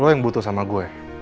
lo yang butuh sama gue